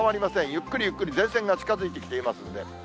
ゆっくりゆっくり前線が近づいてきていますので。